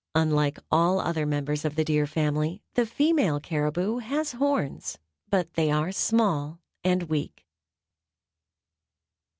Unlike all other members of the Deer Family, the female caribou has horns; but they are small and weak.